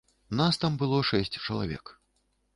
Нас там было шэсць чалавек.